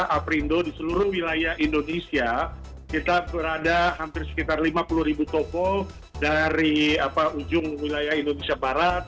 aprindo di seluruh wilayah indonesia kita berada hampir sekitar lima puluh ribu toko dari ujung wilayah indonesia barat